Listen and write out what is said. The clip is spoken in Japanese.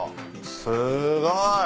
すごい。